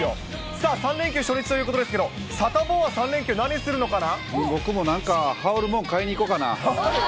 さあ、３連休初日ということですけれども、サタボーは３連休何するのかな？